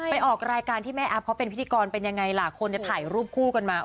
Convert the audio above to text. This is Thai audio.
ออกรายการที่แม่แอฟเขาเป็นพิธีกรเป็นยังไงล่ะคนจะถ่ายรูปคู่กันมา